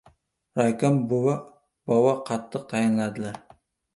— Raykom bova qattiq tayinladilar.